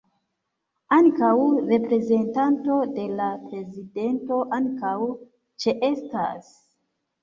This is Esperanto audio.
Ankaŭ reprezentanto de la prezidento ankaŭ ĉeestas.